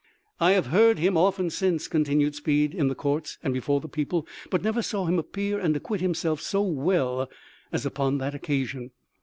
" I have heard him often since," continued Speed, " in the courts and before the people, but never saw him appear and acquit himself so well as upon that occasion.